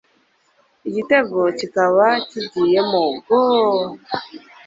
igitego kikaba kigiyemo gooooooo